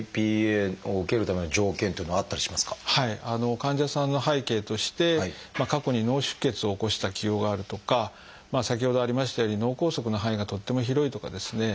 患者さんの背景として過去に脳出血を起こした既往があるとか先ほどありましたように脳梗塞の範囲がとっても広いとかですね